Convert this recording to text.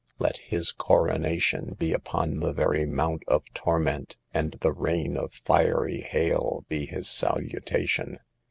Let his coronation be upon the very mount of torment, and the rain of fiery hail be his salutation!